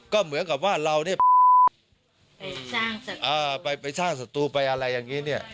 ก็เหมือนกับว่าเราเนี่ยไปสร้างศัตรูไปอะไรอย่างนี้เนี่ย